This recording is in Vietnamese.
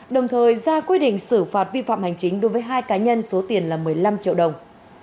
đồng thời ra quy định xử phạt vi phạm hành chính đối với hai cá nhân số tiền là một mươi năm triệu đồng